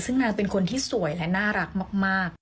ซึ่งนางเป็นคนที่สวยและน่ารักมาก